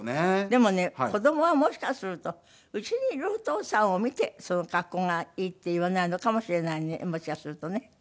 でもね子供はもしかすると家にいるお父さんを見てその格好がいいって言わないのかもしれないねもしかするとね。